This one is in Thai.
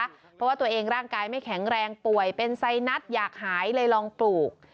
เพราะว่าตัวเองร่างกายไม่แข็งแรงป่วยเป็นไซนัสอยากหายเลยลองปลูก